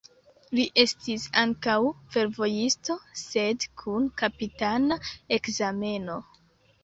Li estis ankaŭ fervojisto, sed kun kapitana ekzameno.